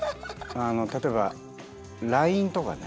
あの例えばＬＩＮＥとかね。